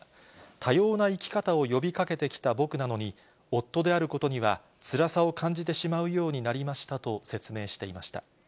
多様な生き方を呼びかけてきた僕なのに、夫であることにはつらさを感じてしまうようになりましたと説明していました。